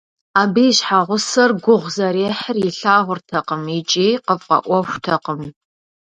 Абы и щхьэгъусэр гугъу зэрехьыр илъагъуртэкъым икӏи къыфӏэӏуэхутэкъым.